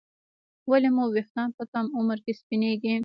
ولې مو ویښتان په کم عمر کې سپینېږي